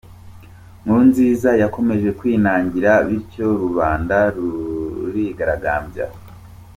Nkurunziza yakomeje kwinangira, bityo rubanda rurigaragambya.